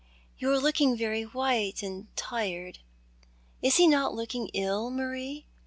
" You are looking very white and tired. Is he not looking ill, Marie